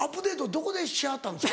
どこでしはったんですか？